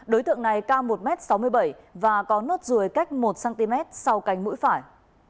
đối tượng này cao một m sáu mươi bảy và có nốt ruồi cách một cm sau cánh mũi phải